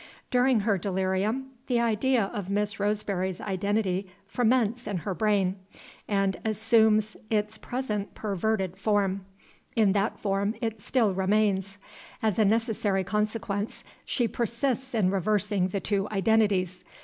During her delirium the idea of Miss Roseberry's identity ferments in her brain, and assumes its present perverted form. In that form it still remains. As a necessary consequence, she persists in reversing the two identities.